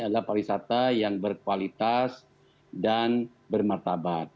adalah pariwisata yang berkualitas dan bermartabat